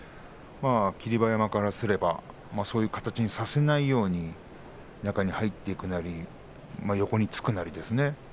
霧馬山からすればそういう形にさせないように中に入っていくなり横につくなりですね